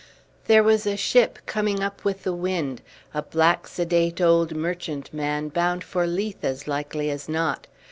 There was a ship coming up with the wind, a black sedate old merchant man, bound for Leith as likely as not.